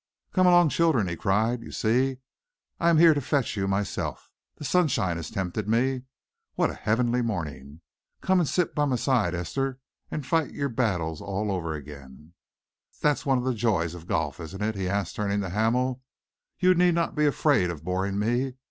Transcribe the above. "Come along, children," he cried. "You see, I am here to fetch you myself. The sunshine has tempted me. What a heavenly morning! Come and sit by my side, Esther, and fight your battle all over again. That is one of the joys of golf, isn't it?" he asked, turning to Hamel. "You need not be afraid of boring me.